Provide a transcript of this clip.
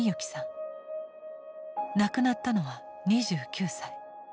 亡くなったのは２９歳。